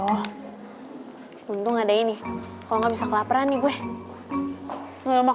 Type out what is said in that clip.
orang gede liat ini daripada gue kelaper nang perni rumah